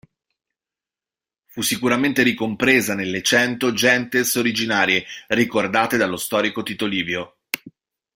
Fu sicuramente ricompresa nelle cento "gentes originarie" ricordate dallo storico Tito Livio.